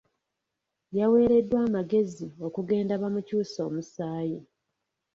Yaweereddwa amagezi okugenda bamukyuse omusaayi.